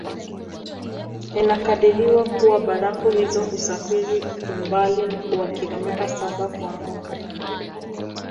Inakadiriwa kua barafu hizi husafiri umbali wa kilometa saba kwa mwaka